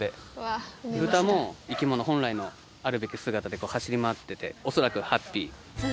豚も生き物本来のあるべき姿で走り回ってて恐らくハッピー。